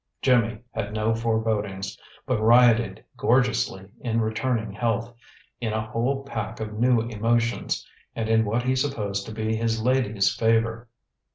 Jimmy had no forebodings, but rioted gorgeously in returning health, in a whole pack of new emotions, and in what he supposed to be his lady's favor.